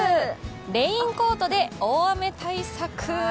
レインコートで大雨対策。